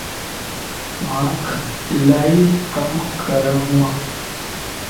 مانک الائي ڪم ڪرڻو وَ